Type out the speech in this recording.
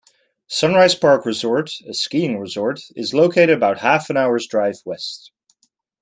Sunrise Park Resort, a skiing resort, is located about half an hour's drive west.